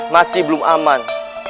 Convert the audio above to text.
masih belum aman